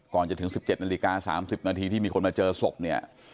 ก่อนจะถึง๑๗นาฬิกา๓๐นาทีที่มีคนมาเจอศพเนี่ย